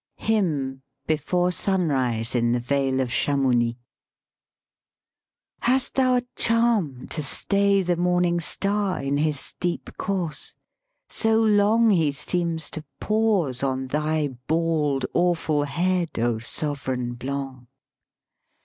132 LYRIC POETRY HYMN BEFORE SUNRISE, IN THE VALE OF CHAMOUNI " Hast them a charm to stay the morning star In his steep course ? So long he seems to pause On thy bald awful head, O sovran Blanc!